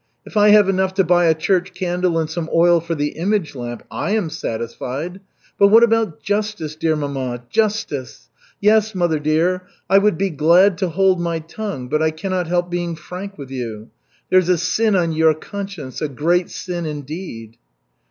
If I have enough to buy a church candle and some oil for the image lamp, I am satisfied. But what about justice, dear mamma, justice? Yes, mother dear, I would be glad to hold my tongue, but I cannot help being frank with you. There's a sin on your conscience, a great sin, indeed."